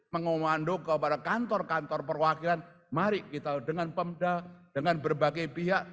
mengomando kepada kantor kantor perwakilan mari kita dengan pemda dengan berbagai pihak